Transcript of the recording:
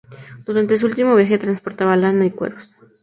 Durante su último viaje transportaba lana y cueros.